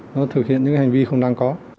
nó thực hiện những hành vi không đáng có